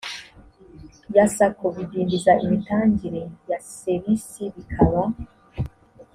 ya sacco bidindiza imitangire ya ser isi bikaba